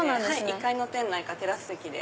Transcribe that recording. １階の店内かテラス席で。